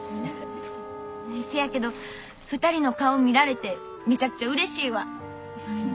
せやけど２人の顔見られてめちゃくちゃうれしいわ。